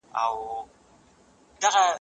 د تاريخي ودانيو، څلو او مزارونو تر څنګ